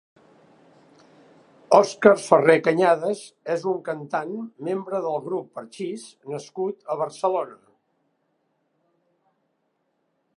Óscar Ferrer Cañadas és un cantant membre del grup Parchís nascut a Barcelona.